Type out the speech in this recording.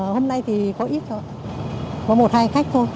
hôm nay thì có ít thôi có một hai hành khách thôi